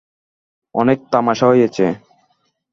অনেক তামাশা হয়েছে।